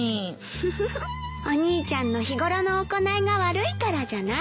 フフフお兄ちゃんの日頃の行いが悪いからじゃない？